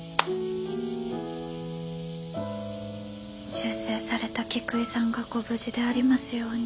出征された菊井さんがご無事でありますように。